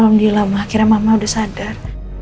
alhamdulillah mah akhirnya mama udah sadar